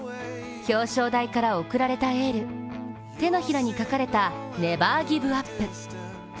表彰台から送られたエール、手のひらに書かれたネバーギブアップ。